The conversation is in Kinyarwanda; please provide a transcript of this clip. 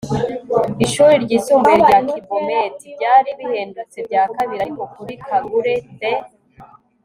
ishuri ryisumbuye rya kibomet. byari bihendutse bya kabiri, ariko kuri kagure, the